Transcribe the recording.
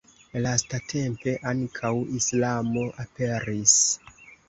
Lastatempe ankaŭ islamo aperis.